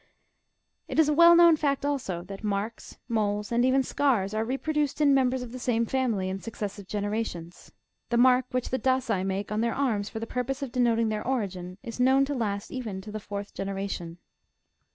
It is a well known fact also, that marks, moles, and even scars, are reproduced in mem bers of the same family in successive generations. The mark which the Daci make on their arms for the purpose of de noting their origin, is known to last even to the foui'th genera tion.